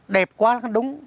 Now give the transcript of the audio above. đẹp quá là không đúng